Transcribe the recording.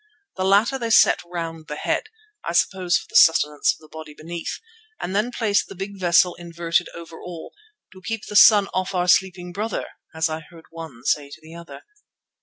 The latter they set round the head, I suppose for the sustenance of the body beneath, and then placed the big vessel inverted over all, "to keep the sun off our sleeping brother," as I heard one say to the other.